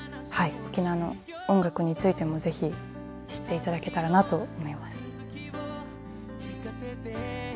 はい沖縄の音楽についても是非知っていただけたらなと思います。